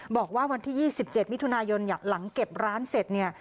บอกว่าวันที่๒๗มิถุนายนหลังเก็บร้านเสร็จเนี่ย